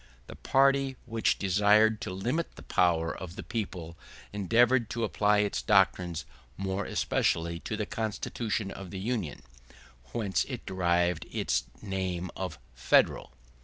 The party which desired to limit the power of the people endeavored to apply its doctrines more especially to the Constitution of the Union, whence it derived its name of Federal.